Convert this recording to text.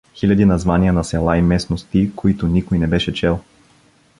Хиляди названия на села и местности, които никой не беше чел.